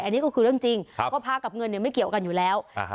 อันนี้ก็คือเรื่องจริงเพราะพระกับเงินเนี่ยไม่เกี่ยวกันอยู่แล้ว